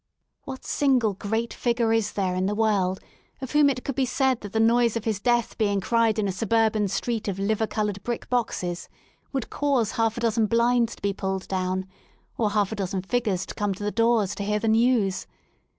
What single great figure is there in the world of whom it could be said that the noise of his death being cried in a suburban street of liver coloured brick boxes would cause half a dozen blinds to be pulled down, or half a dozen figures to come to the doors to hear the news?